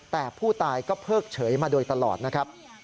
แต่ผู้ตายก็เพิกเฉยมาโดยตลอดนะครับ